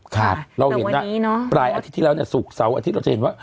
ครับเราเห็นปลายอาทิตย์ที่แล้วเนี่ยศุกร์เสาร์อาทิตย์เราจะเห็นว่า